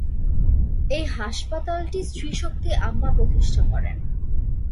এই হাসপাতালটি শ্রী শক্তি আম্মা প্রতিষ্ঠা করেন।